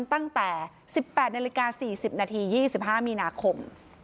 ตั้งแต่๑๘นาฬิกา๔๐นาที๒๕มีนาคม